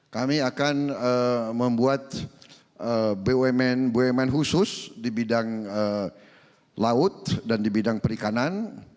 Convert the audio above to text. kami akan membuat bumn bumn khusus di bidang laut dan di bidang perikanan